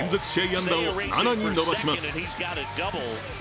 安打を７に伸ばします。